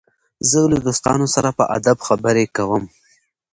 زه له دوستانو سره په ادب خبري کوم.